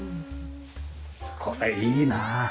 これいいなあ。